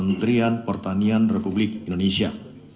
empat mh direktur pertanian republik indonesia